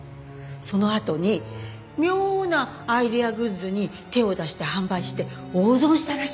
そのあとに妙なアイデアグッズに手を出して販売して大損したらしいの。